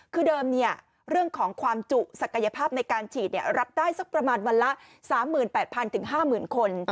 คือเดิมเรื่องของความจุศักยภาพในการฉีดรับได้สักประมาณวันละ๓๘๐๐๕๐๐คน